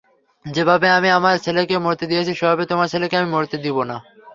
যেভাবে আমি আমার ছেলেকে মরতে দিয়েছি সেভাবে তোমার ছেলেকে আমি মরতে দিবো না।